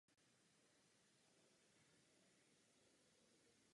Dalších několik let strávil v Itálii a Egyptě.